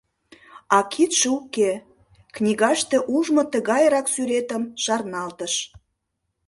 А кидше уке, — книгаште ужмо тыгайрак сӱретым шарналтыш.